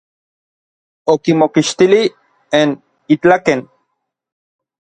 Okimokixtilij n itlaken.